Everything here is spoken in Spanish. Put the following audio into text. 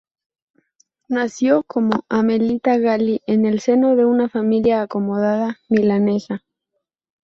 Nació como "Amelita Galli" en el seno de una familia acomodada milanesa.